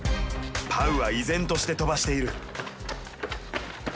パウは依然として飛ばしている。